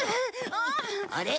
あれ？